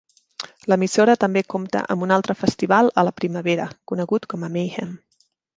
L'emissora també compta amb un altre festival a la primavera conegut com a Mayhem.